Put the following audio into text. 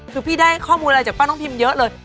คือพี่ได้ข้อมูลอะไรจากป้าน้องพิมเยอะเลย